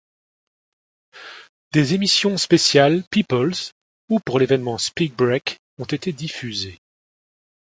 Des émissions spéciales peoples ou pour l'évènement Speak Break ont été diffusées.